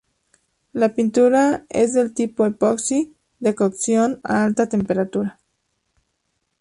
La pintura es del tipo epoxi de cocción a alta temperatura.